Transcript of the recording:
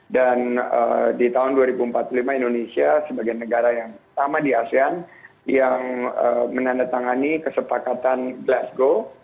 dan di tahun dua ribu empat puluh lima indonesia sebagai negara yang pertama di asean yang menandatangani kesepakatan glasgow